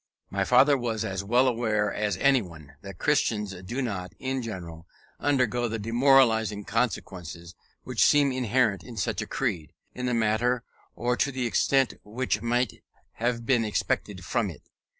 My father was as well aware as anyone that Christians do not, in general, undergo the demoralizing consequences which seem inherent in such a creed, in the manner or to the extent which might have been expected from it.